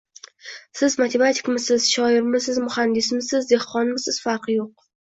Siz matematikmisiz, shoirmisiz, muhandismisiz, dehqonmisizfarqi yoʻq